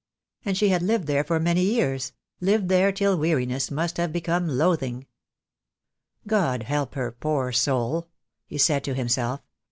And she had lived there for many years; lived there till weariness must have become loathing. "God help her, poor soul," he said to himself.